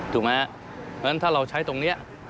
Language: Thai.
ถูกไหมฮะเพราะฉะนั้นถ้าเราใช้ตรงนี้